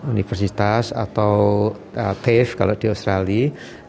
universitas atau tave kalau di australia